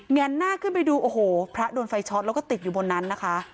แนนหน้าขึ้นไปดูโอ้โหพระโดนไฟช็อตแล้วก็ติดอยู่บนนั้นนะคะ